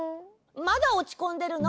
まだおちこんでるの？